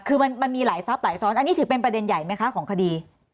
คือมันมีหลายทรัพย์หลายซ้อนอันนี้ถือเป็นประเด็นใหญ่ไหมคะของคดี